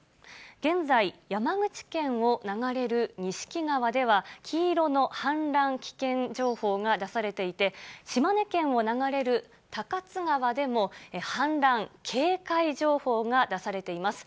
現在、山口県を流れる錦川では黄色の氾濫危険情報が出されていて、島根県を流れる高津川でも、氾濫警戒情報が出されています。